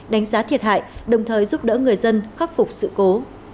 đánh giá thiệt hại đồng thời giúp đỡ người dân khắc phục sự cố